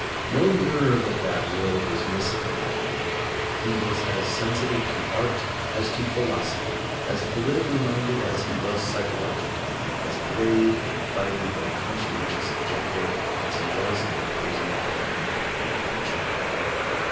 No nerve of that world was missing in him : he was as sensitive to art as to phil osophy, as politically minded as he was psycho logic, as brave in fighting for the conscientious objector as he was in opposing current American culture.